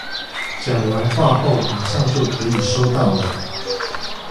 講完話後馬上就可以收到了